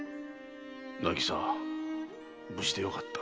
渚無事でよかった